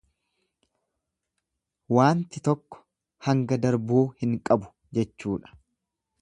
Waanti tokko hanga darbuu hin qabu jechuudha.